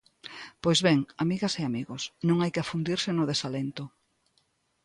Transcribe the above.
Pois ben, amigos e amigas, non hai que afundirse no desalento.